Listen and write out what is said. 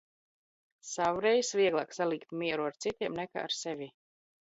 Savreiz, vieglāk salīgt mieru ar citiem, nekā ar sevi.